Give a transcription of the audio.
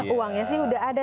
uangnya sih udah ada